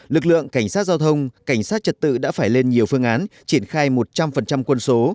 lực lượng cảnh sát giao thông cảnh sát trật tự đã phải lên nhiều phương án triển khai một trăm linh quân số